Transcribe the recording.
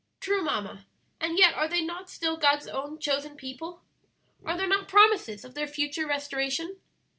"True, mamma, and yet are they not still God's own chosen people? Are there not promises of their future restoration?"